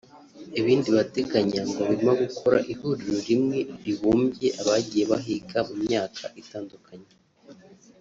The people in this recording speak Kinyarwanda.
Ibindi bateganya ngo birimo gukora ihuriro rimwe ribumbye abagiye bahiga mu myaka itandukanye